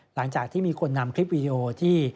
หลังจากที่มีคนนำคลิปวีดีโอที่